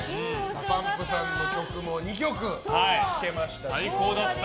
ＤＡＰＵＭＰさんの曲も２曲、聴けましたし。